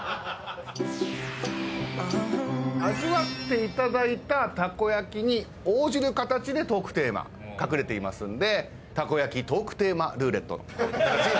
味わっていただいたたこ焼きに応じる形でトークテーマ隠れていますんでたこ焼きトークテーマルーレット。